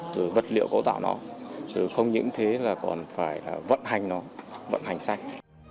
từ vật liệu cấu tạo nó chứ không những thế là còn phải là vận hành nó vận hành xanh